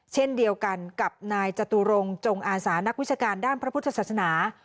เช่นเดียวกันกับนายจตุรงจงอาสานักวิชาการด้านพระพุทธศาสนา